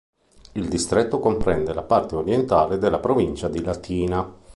Il distretto comprende la parte orientale della provincia di Latina.